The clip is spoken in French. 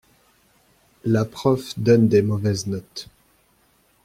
La prof donne des mauvaises notes.